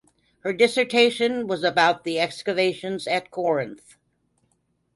Her dissertation was about the excavations at Corinth.